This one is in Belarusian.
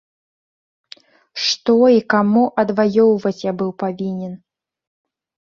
Што і каму адваёўваць я быў павінен?